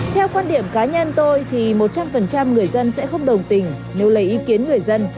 theo quan điểm cá nhân tôi thì một trăm linh người dân sẽ không đồng tình nếu lấy ý kiến người dân